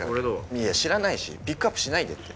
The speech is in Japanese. いや知らないしピックアップしないでって。